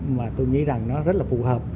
mà tôi nghĩ rằng nó rất là phù hợp